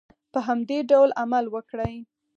په همدې ډول عمل وکړئ.